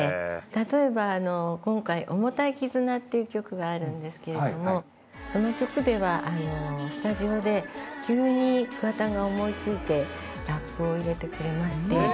例えば今回『オモタイキズナ』っていう曲があるんですけれどもその曲ではスタジオで急に桑田が思いついてラップを入れてくれまして。